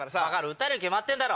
歌えるに決まってんだろ！